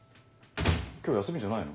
今日休みじゃないの？